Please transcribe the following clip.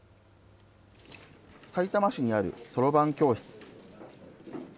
さいたま市にあるそろばん教室。